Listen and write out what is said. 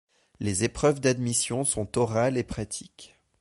Les épreuves d'admission sont orales et pratiques.